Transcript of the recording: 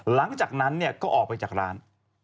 หลังจากนั้นก็ออกไปจากร้าน